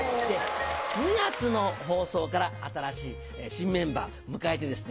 ２月の放送から新しい新メンバー迎えてですね